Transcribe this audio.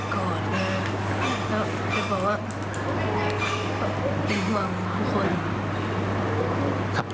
ชอบแก้มหวังของคน